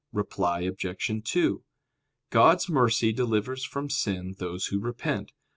Reply Obj. 2: God's mercy delivers from sin those who repent.